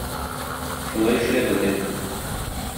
Шулай эшләде дә.